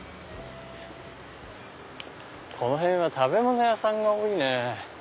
この辺は食べ物屋さんが多いね。